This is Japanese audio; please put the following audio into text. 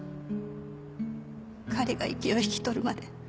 彼が息を引き取るまで